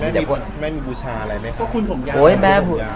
ลูกตัวใหม่คุณผมยาว